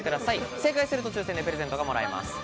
正解すると抽選でプレゼントがもらえます。